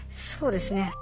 そうですね。